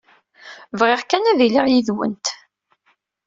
Bɣiɣ kan ad iliɣ yid-went.